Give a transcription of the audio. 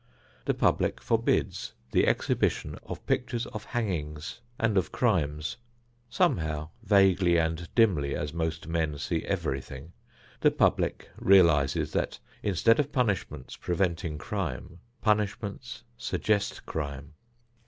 The public forbids the exhibition of pictures of hangings and of crimes. Somehow, vaguely and dimly as most men see everything, the public realizes that instead of punishments preventing crime, punishments suggest crime.